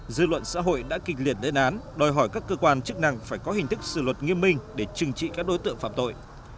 dư luận xã hội đã kịch liền lên án đòi hỏi các cơ quan chức năng phải có hình thức xử luật nghiêm minh để trừng trị các đối tượng phạm tội